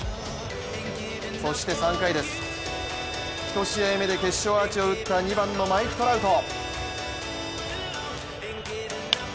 そして３回、１試合目で決勝アーチを打った２番のマイク・トラウト。